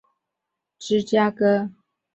该党的总部位于芝加哥。